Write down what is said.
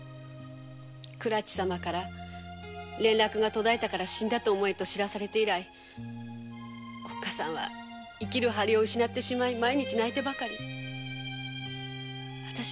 倉地様から「連絡が絶えたから死んだと思え」と知らされ母は生きる張りを失って毎日泣いてばかり。